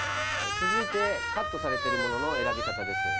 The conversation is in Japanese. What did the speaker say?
続いてカットされているものの選び方です。